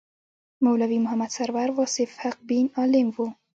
مولوي محمد سرور واصف حقبین عالم و.